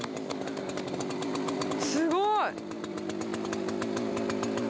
すごい！